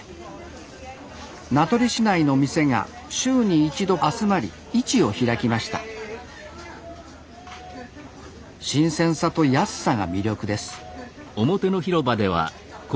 名取市内の店が週に１度集まり市を開きました新鮮さと安さが魅力です